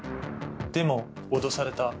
でも、脅された。